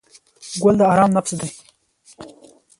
ګل د آرام نفس دی.